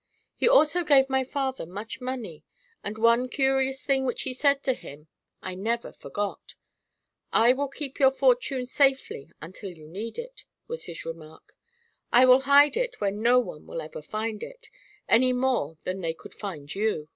He also gave my father much money, and one curious thing which he said to him I never forgot. 'I will keep your fortune safely until you need it,' was his remark. 'I will hide it where no one will ever find it, any more than they could find you.